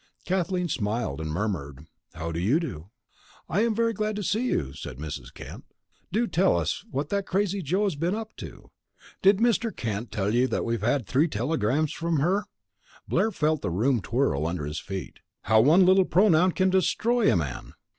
Kathleen smiled, and murmured, "How do you do." "I'm very glad to see you," said Mrs. Kent. "Do tell us what that crazy Joe has been up to. Did Mr. Kent tell you we've had three telegrams from her?" Blair felt the room twirl under his feet. How one little pronoun can destroy a man!